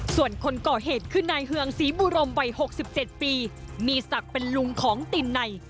ส่วนคนก่อเหตุคือนายเฮืองศรีบุรมวัย๖๗ปีมีศักดิ์เป็นลุงของตินใน